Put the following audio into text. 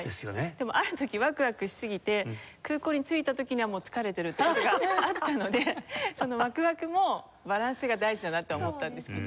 でもある時ワクワクしすぎて空港に着いた時にはもう疲れてるっていう事があったのでそのワクワクもバランスが大事だなって思ったんですけど。